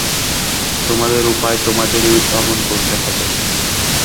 তোমাদের উপায় তোমাদেরই উদ্ভাবন করতে হবে।